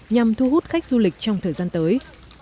nhằm thu hút khách du lịch trong thời gian tới